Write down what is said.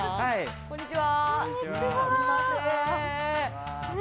こんにちは。